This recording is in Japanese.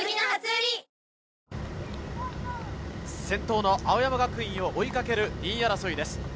先頭の青山学院を追いかける２位争いです。